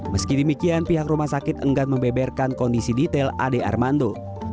meski demikian pihak rumah sakit enggan membeberkan kondisi detail ade armando